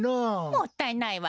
もったいないわねえ。